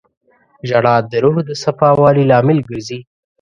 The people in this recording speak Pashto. • ژړا د روح د صفا والي لامل ګرځي.